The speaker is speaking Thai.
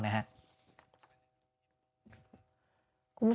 หยุด